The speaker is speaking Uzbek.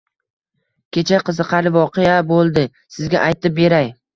Kecha qiziqarli voqea bo'ldi, sizga aytib beray